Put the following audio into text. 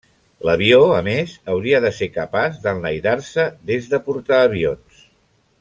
L'avió, a més, hauria de ser capaç d'enlairar-se des de portaavions.